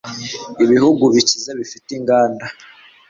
ibihugu bikize bifite inganda